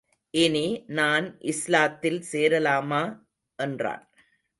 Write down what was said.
இனி நான் இஸ்லாத்தில் சேரலாமா? என்றான்.